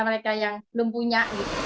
mereka yang belum punya